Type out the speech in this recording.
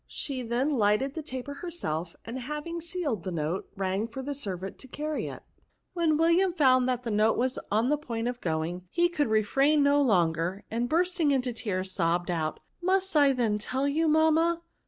She then lighted the taper herself; and having sealed the note, rang for a servant to carry it. When WiUiam found that the note was on the point of going, he could refrain no longer, and bursting into tears he sobbed out, " Must I then tell you, mamma?"